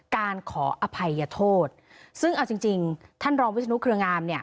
การขออภัยโทษซึ่งเอาจริงจริงท่านรองวิศนุเครืองามเนี่ย